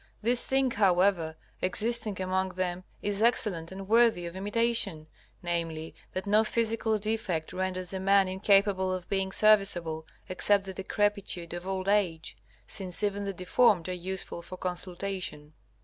This thing, however, existing among them is excellent and worthy of imitation viz., that no physical defect renders a man incapable of being serviceable except the decrepitude of old age, since even the deformed are useful for consultation.